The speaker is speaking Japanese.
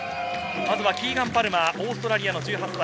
まずはキーガン・パルマー、オーストラリアの１８歳。